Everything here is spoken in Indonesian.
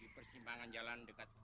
di persimbangan jalan dekat